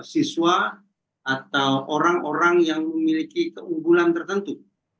siswa atau orang orang yang memiliki keunggulan tertentu